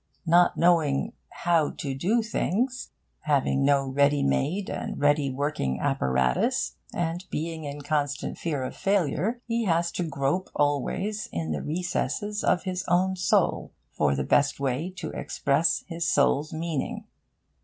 Not knowing 'how to do things,' having no ready made and ready working apparatus, and being in constant fear of failure, he has to grope always in the recesses of his own soul for the best way to express his soul's meaning.